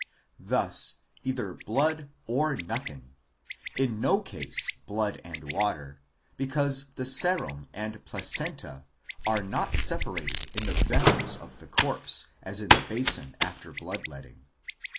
Thus either blood or nothing: in no case blood and water, because the serum and flacenta are not separated in the vessels of the corpse as in the basin after blood letting.